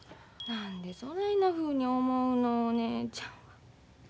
何でそないなふうに思うのお姉ちゃん。